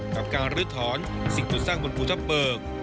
กับการลื้อถอนสิ่งตัดสร้างบนพุทธเปิก